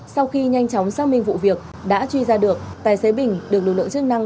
sau khi nhanh chóng xác minh vụ việc đã truy ra được tài xế bình được lực lượng chức năng